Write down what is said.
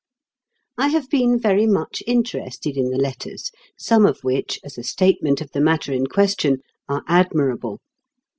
I have been very much interested in the letters, some of which, as a statement of the matter in question, are admirable.